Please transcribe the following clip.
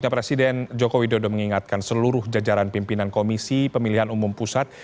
presiden joko widodo mengingatkan seluruh jajaran pimpinan komisi pemilihan umum pusat